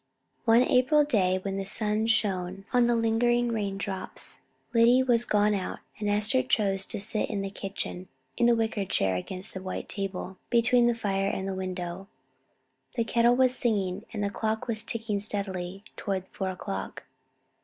One April day, when the sun shone on the lingering raindrops, Lyddy was gone out, and Esther chose to sit in the kitchen, in the wicker chair against the white table, between the fire and the window. The kettle was singing, and the clock was ticking steadily toward four o'clock.